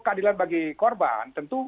keadilan bagi korban tentu